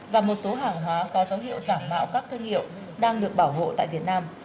và một số hàng hóa có dấu hiệu giả mạo các thương hiệu đang được bảo hộ tại việt nam